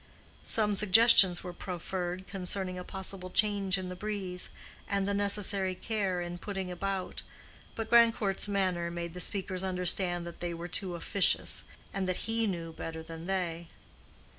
Some suggestions were proffered concerning a possible change in the breeze, and the necessary care in putting about, but Grandcourt's manner made the speakers understand that they were too officious, and that he knew better than they.